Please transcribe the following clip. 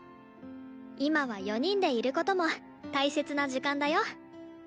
今は４人でいることも大切な時間だよ。